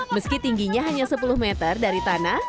meski tingginya hanya sepuluh meter dari tanah